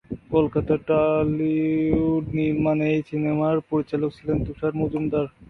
কলকাতার টলিউড নির্মিত এই সিনেমার পরিচালক ছিলেন তুষার মজুমদার।